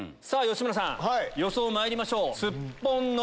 さぁ吉村さん予想まいりましょう。